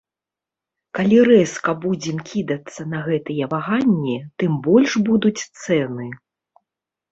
Калі рэзка будзем кідацца на гэтыя ваганні, тым больш будуць цэны.